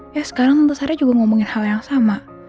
ya sekarang tante sarah juga ngomongin hal yang sama